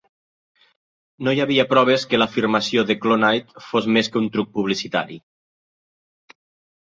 No hi havia proves que l'afirmació de Clonaid fos més que un truc publicitari.